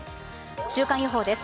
週間予報です。